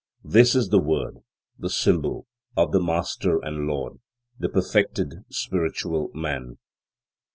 This is the Word, the Symbol, of the Master and Lord, the perfected Spiritual Man.